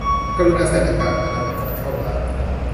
กรุณาใส่หน้ากากอนามัยก่อนเข้าร้าน